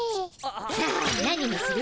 さあ何にする？